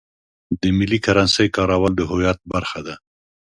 د ملي کرنسۍ کارول د هویت برخه ده.